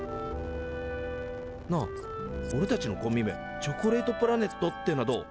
なあおれたちのコンビ名チョコレートプラネットっていうのはどう？